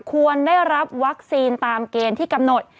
ควรได้รับวัคซีนตามเกณฑ์ที่กำหนด